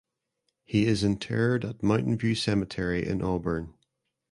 He is interred at Mountain View Cemetery in Auburn.